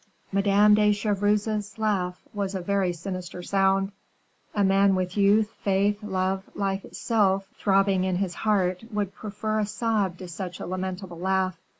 Madame de Chevreuse's laugh was a very sinister sound; a man with youth, faith, love, life itself, throbbing in his heart, would prefer a sob to such a lamentable laugh.